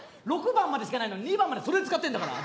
６番までしかないのに２番までそれ使ってんだから。